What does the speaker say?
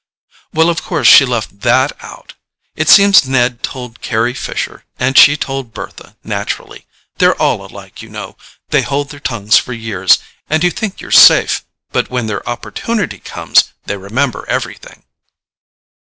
"Well, of course she left THAT out. It seems Ned told Carry Fisher; and she told Bertha, naturally. They're all alike, you know: they hold their tongues for years, and you think you're safe, but when their opportunity comes they remember everything."